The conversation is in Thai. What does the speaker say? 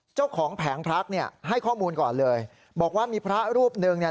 แผงพระเนี่ยให้ข้อมูลก่อนเลยบอกว่ามีพระรูปหนึ่งเนี่ย